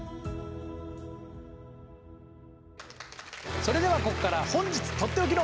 それではここから本日取って置きの。